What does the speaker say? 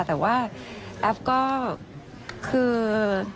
แต่ว่าแอฟก็คือ